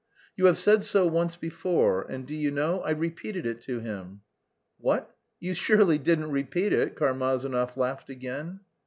"You have said so once before, and, do you know, I repeated it to him." "What, you surely didn't repeat it?" Karmazinov laughed again.